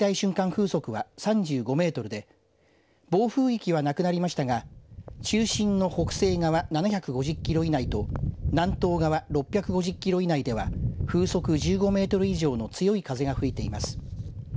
風速は３５メートルで暴風域はなくなりましたが中心の北西側７５０キロ以内と南東側６５０キロ以内では風速１５メートル以上の強い風が吹いています。